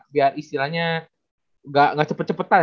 biar istilahnya nggak cepet cepetan